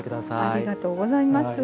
ありがとうございます。